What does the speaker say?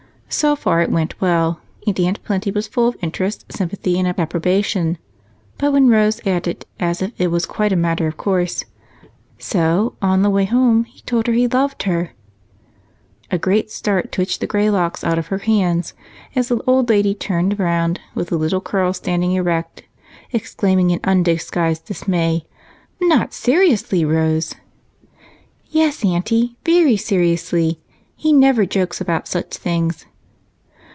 So far it went well and Aunt Plenty was full of interest, sympathy, and approbation, but when Rose added, as if it was quite a matter of course, "So, on the way home, he told her he loved her," a great start twitched the gray locks out of her hands as the old lady turned around, with the little curls standing erect, exclaiming, in undisguised dismay: "Not seriously, Rose?" "Yes, Aunty, very seriously. He never jokes about such things."